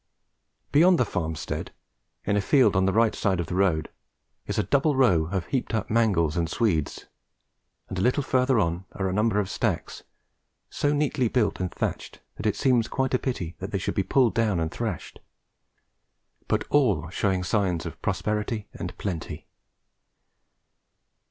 Beyond the farmstead, in a field on the right of the road, is a double row of heaped up mangels and swedes; and a little further on are a number of stacks, so neatly built and thatched that it seems quite a pity they should soon be pulled down and thrashed, but all showing signs of prosperity and plenty.